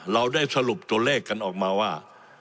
เราได้สรุปตัวเลขกันออกมาว่า